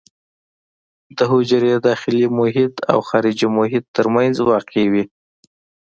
د حجرې داخلي محیط او خارجي محیط ترمنځ واقع وي.